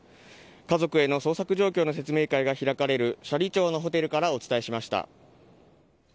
家族への捜索状況の説明会が開かれる斜里町のホテルからお伝えしました。